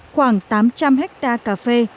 khoảng tám trăm linh hectare cà phê